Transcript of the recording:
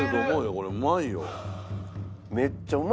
これうまいよ。